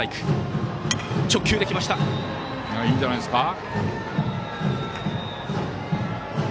いいんじゃないですか。